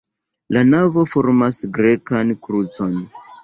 La navo formas grekan krucon.